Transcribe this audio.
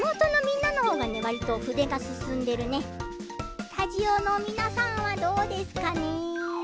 スタジオのみなさんはどうですかね。